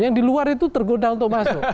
yang di luar itu tergoda untuk masuk